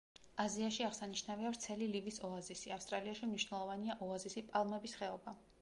აზიაში აღსანიშნავია ვრცელი ლივის ოაზისი; ავსტრალიაში მნიშვნელოვანია ოაზისი „პალმების ხეობა“.